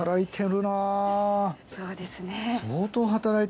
そうですね。